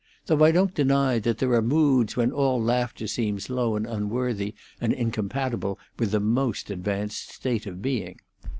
Though I don't deny that there are moods when all laughter seems low and unworthy and incompatible with the most advanced state of being.